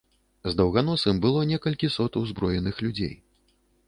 З даўганосым было некалькі сот узброеных людзей.